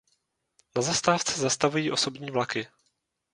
Na zastávce zastavují osobní vlaky.